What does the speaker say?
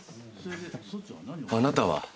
あなたは。